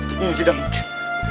itu tidak mungkin